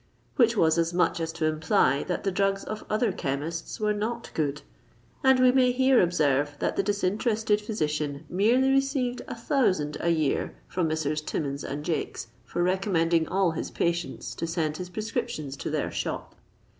Which was as much as to imply that the drugs of other chemists were not good; and we may here observe that the disinterested physician merely received a thousand a year from Messrs. Timmins and Jakes for recommending all his patients to send his prescriptions to their shop.